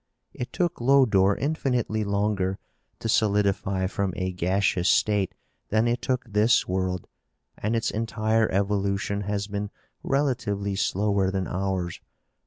It took Lodore infinitely longer to solidify from a gaseous state than it took this world, and its entire evolution has been relatively slower than ours.